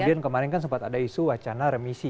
kemudian kemarin kan sempat ada isu wacana remisi